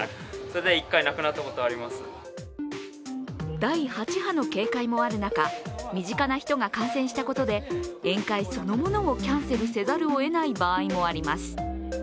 第８波の警戒もある中、身近な人が感染したことで宴会そのものをキャンセルせざるをえない場合もあります。